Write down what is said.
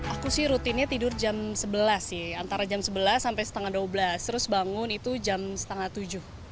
aku sih rutinnya tidur jam sebelas sih antara jam sebelas sampai setengah dua belas terus bangun itu jam setengah tujuh